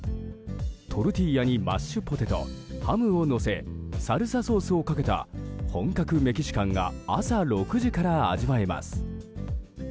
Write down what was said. トルティーヤにマッシュポテトハムをのせサルサソースをかけた本格メキシカンが朝６時から味わえます。